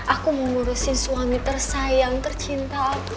aku mau ngurusin suami tersayang tercinta aku